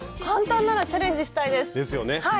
簡単ならチャレンジしたいです。ですよね。